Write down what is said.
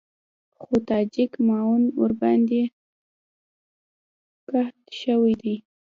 خو تاجک معاون ورباندې قحط شوی دی.